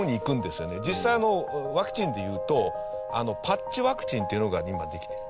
実際あのワクチンで言うとパッチワクチンっていうのが今できてる。